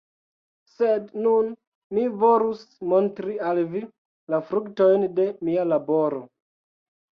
Sed nun mi volus montri al vi la fruktojn de mia laboro.